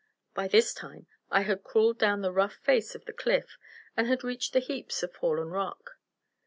By this time I had crawled down the rough face of the cliff, and had reached the heaps of fallen rock.